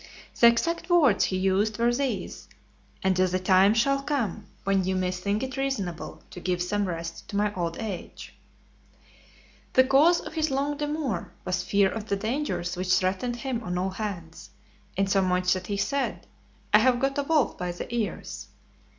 The exact words he used were these: "Until the time shall come, when ye may think it reasonable to give some rest to my old age." XXV. The cause of his long demur was fear of the dangers which threatened him on all hands; insomuch that he said, "I have got a wolf by the ears."